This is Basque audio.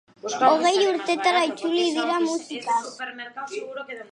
Hogei urtetara itzuli dira musikaz.